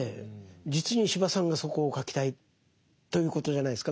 実に司馬さんがそこを書きたいということじゃないですか。